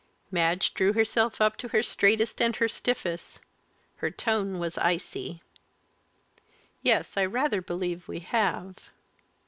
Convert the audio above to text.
Madge drew herself up to her straightest and her stiffest. Her tone was icy. "Yes, I rather believe we have."